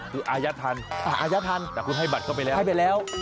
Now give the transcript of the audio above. คืออายัดทันแต่คุณให้บัตรเข้าไปแล้ว